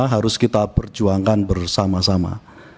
harus kita perjuangkan bersama sama